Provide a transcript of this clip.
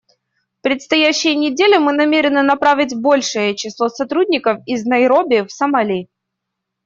В предстоящие недели мы намерены направить большее число сотрудников из Найроби в Сомали.